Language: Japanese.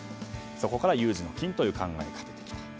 そこから有事の金という考え方が出てきた。